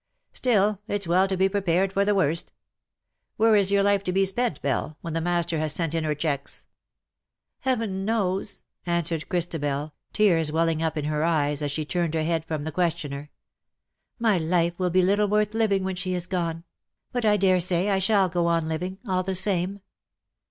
Still, it's well to be prepared for the worst. Where is your life to be spent, Belle, when the mater has sent in her checks ?''" Heaven knows,^^ answered Christabel, tears welling up in her eyes, as she turned her head from the questioner. '^ My life will be little worth living when she is gone — but I daresay I shall go on living, all the same.